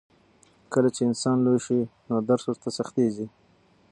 کله چې انسان لوی شي نو درس ورته سختېږي.